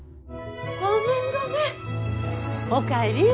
ごめんごめん。